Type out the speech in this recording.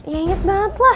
ya inget banget lah